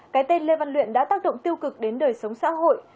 cái tên lê văn luyện đã tác động tiêu cực đến đời sống xã hội